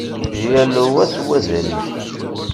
Yal wa s wazal-is.